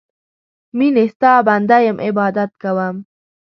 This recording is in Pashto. میینې ستا بنده یم عبادت کوم